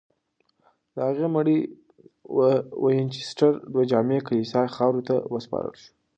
د هغې مړی د وینچسټر په جامع کلیسا کې خاورو ته وسپارل شو.